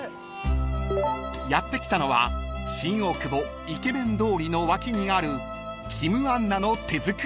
［やって来たのは新大久保イケメン通りの脇にある］